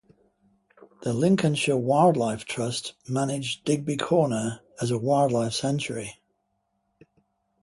The Lincolnshire Wildlife Trust manage Digby Corner as a wildlife sanctuary.